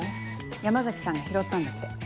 山崎さんが拾ったんだって。